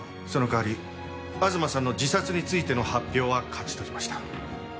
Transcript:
その代わり東さんの自殺についての発表は勝ち取りました。